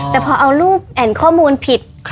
แต่พอเอารูปแอ่นข้อมูลผิด